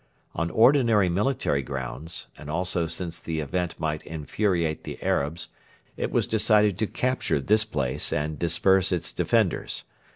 On ordinary military grounds, and also since the event might infuriate the Arabs, it was decided to capture this place and disperse its defenders.